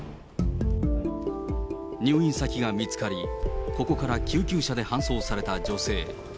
入院先が見つかり、ここから救急車で搬送された女性。